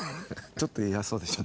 ちょっと嫌そうでした。